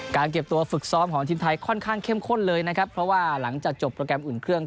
เก็บตัวฝึกซ้อมของทีมไทยค่อนข้างเข้มข้นเลยนะครับเพราะว่าหลังจากจบโปรแกรมอุ่นเครื่อง